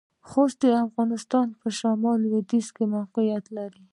خوست د افغانستان پۀ شمالختيځ کې موقعيت لري.